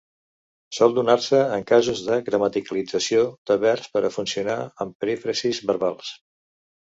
Sol donar-se en casos de gramaticalització de verbs per a funcionar en perífrasis verbals.